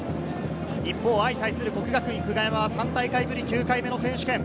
対する國學院久我山は３大会ぶり９回目の選手権。